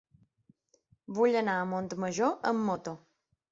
Vull anar a Montmajor amb moto.